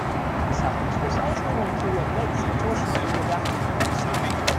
This happens precisely when "Q" admits a torsion-free adapted connection.